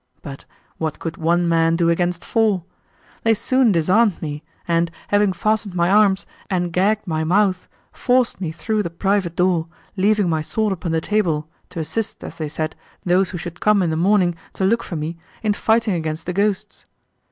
But what could one man do against four? They soon disarmed me, and, having fastened my arms, and gagged my mouth, forced me through the private door, leaving my sword upon the table, to assist, as they said, those who should come in the morning to look for me, in fighting against the ghosts.